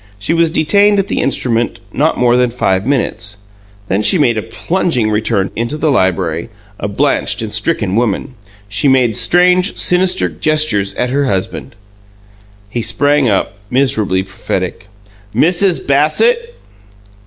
She was detained at the instrument not more than five minutes; then she made a plunging return into the library, a blanched and stricken woman. She made strange, sinister gestures at her husband. He sprang up, miserably prophetic. "Mrs. Bassett?"